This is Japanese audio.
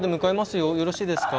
よろしいですか？